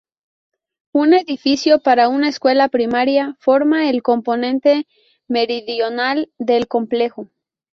Un edificio para una escuela primaria forma el componente meridional del complejo.